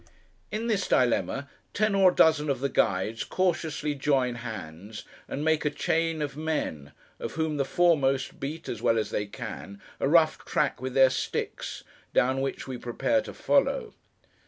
In this dilemma, ten or a dozen of the guides cautiously join hands, and make a chain of men; of whom the foremost beat, as well as they can, a rough track with their sticks, down which we prepare to follow.